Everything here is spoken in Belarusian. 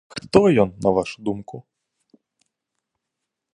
Хто ён, на вашу думку?